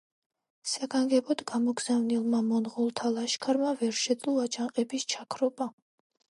საგანგებოდ გამოგზავნილმა მონღოლთა ლაშქარმა ვერ შეძლო აჯანყების ჩაქრობა.